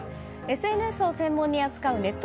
ＳＮＳを専門に扱うネット